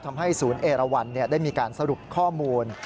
ทำให้ศูนย์เอราวันได้มีการสรุปข้อมูล